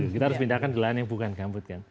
kita harus pindahkan di lahan yang bukan gambut